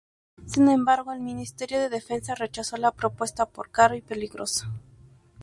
Sin embargo, el Ministerio de Defensa rechazó la propuesta por caro y peligroso.